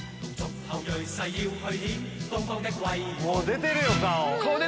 もう出てるよ顔。